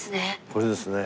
これですね。